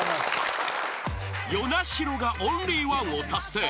［與那城がオンリーワンを達成］